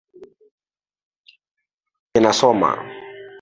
Ninasoma.